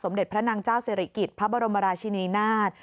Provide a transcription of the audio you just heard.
เด็จพระนางเจ้าศิริกิจพระบรมราชินีนาฏ